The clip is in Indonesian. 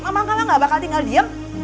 mama kalau enggak bakal tinggal diem